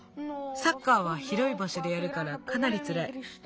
サッカーはひろいばしょでやるからかなりつらい。